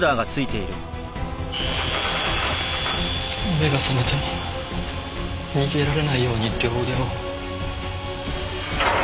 目が覚めても逃げられないように両腕を。